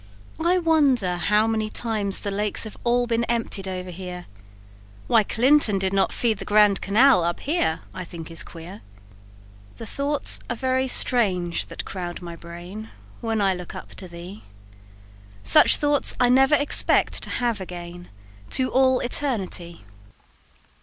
"I wonder how many times the lakes have all Been emptied over here; Why Clinton did not feed the grand Canal Up here I think is queer. "The thoughts are very strange that crowd my brain, When I look up to thee; Such thoughts I never expect to have again, To all eternity."